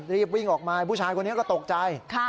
รีบวิ่งออกมาผู้ชายคนนี้ก็ตกใจ